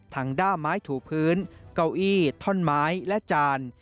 ด้ามไม้ถูพื้นเก้าอี้ท่อนไม้และจาน